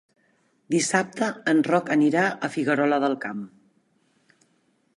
Dissabte en Roc anirà a Figuerola del Camp.